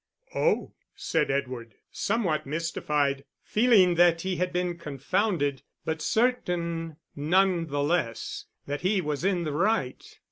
"Oh," said Edward, somewhat mystified; feeling that he had been confounded, but certain, none the less, that he was in the right.